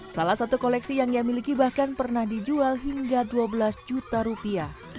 salah satu koleksi yang ia miliki bahkan pernah dijual hingga dua belas juta rupiah